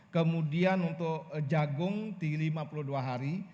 kemudian untuk jagung di lima puluh dua hari